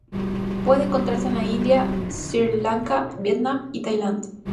Puede encontrarse en la India, Sri Lanka, Vietnam y Tailandia.